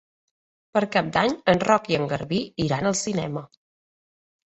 Per Cap d'Any en Roc i en Garbí iran al cinema.